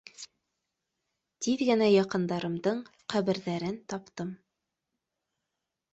Тиҙ генә яҡындарымдың ҡәберҙәрен таптым.